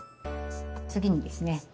次にですね